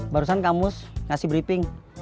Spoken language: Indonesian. barusan kang mus ngasih briefing